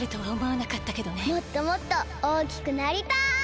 もっともっとおおきくなりたい！